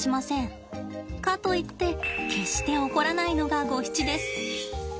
かといって決して怒らないのがゴヒチです。